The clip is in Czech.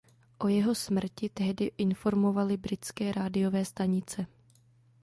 O jeho smrti tehdy informovaly britské rádiové stanice.